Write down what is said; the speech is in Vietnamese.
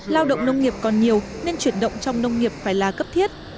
lao động nông nghiệp còn nhiều nên chuyển động trong nông nghiệp phải là cấp thiết